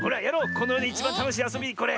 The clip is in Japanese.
このよでいちばんたのしいあそびこれ。